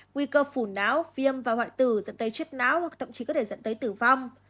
nguy cơ phủ não viêm và hoại tử dẫn tới chết não hoặc thậm chí có thể dẫn tới tử vong